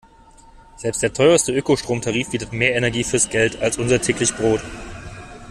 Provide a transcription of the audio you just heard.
Selbst der teuerste Ökostromtarif bietet mehr Energie fürs Geld als unser täglich Brot.